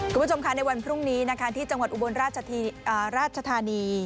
คุณผู้ชมค่ะในวันพรุ่งนี้นะคะที่จังหวัดอุบลราชธานี